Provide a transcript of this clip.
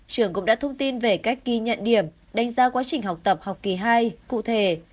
trường cũng đã thông tin về cách ghi nhận điểm đánh giá quá trình học tập học kỳ hai cụ thể